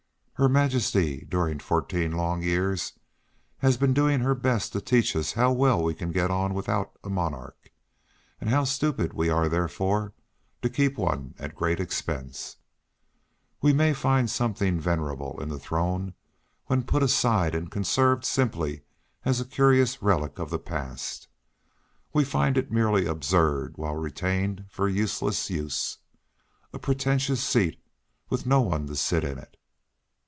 Her Majesty during fourteen long years has been doing her best to teach us how well we can get on without a monarch, and how stupid we are therefore to keep one at a great expense. We may find something venerable in the throne when put aside and conserved simply as a curious relic of the past; we find it merely absurd while retained for useless use, a pretentious seat with no one to sit in it.